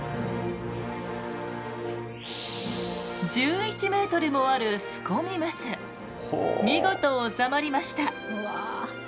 １１ｍもあるスコミムス見事収まりました。